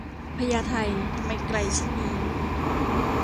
พญาไท ทำไมไกลเช่นนี้